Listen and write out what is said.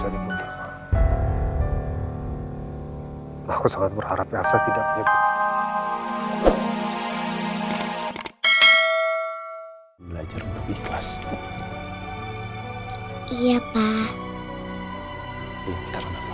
aku sangat berharap yang saya tidak menyebut belajar untuk ikhlas iya pak ini karena mama